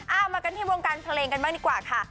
เอามากันที่วงการเพลงกันบ้างดีกว่าค่ะ